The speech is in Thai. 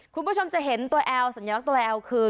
คุณผู้ชมจะเห็นตัวแอลสัญลักษณ์ตัวแอลคือ